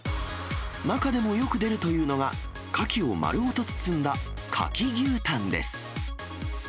中でもよく出るというのが、カキを丸ごと包んだ牡蠣牛タンです。